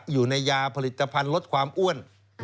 อยู่ในยาผลิตภัณฑ์ลดความอ้วน